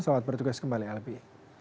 selamat bertugas kembali albi